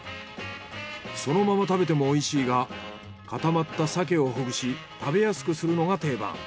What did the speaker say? そのまま食べてもおいしいが固まった鮭をほぐし食べやすくするのが定番。